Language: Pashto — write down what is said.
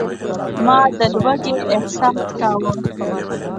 ما د لوږې احساس کاوه.